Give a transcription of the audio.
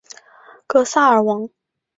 格萨尔王